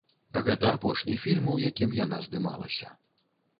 Гэта апошні фільм, у якім яна здымалася.